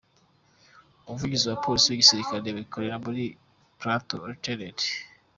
Umuvugizi wa Polisi n’igisirikare bikorera muri Plateau, Lt.